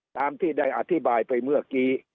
ตามที่ได้อธิบายไปเมื่อกี้